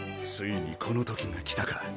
ついにこのときが来たか。